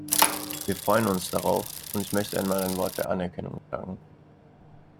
Wir freuen uns darauf, und ich möchte einmal ein Wort der Anerkennung sagen.